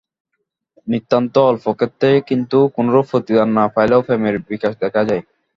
নিতান্ত অল্প ক্ষেত্রেই কিন্তু কোনরূপ প্রতিদান না পাইলেও প্রেমের বিকাশ দেখা যায়।